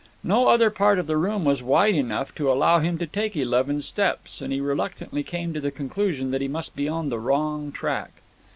No other part of the room was wide enough to allow him to take eleven steps, and he reluctantly came to the conclusion that he must be on the wrong tack.